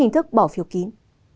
tức bỏ phiêu kín